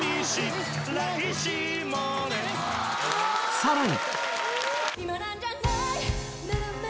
さらに！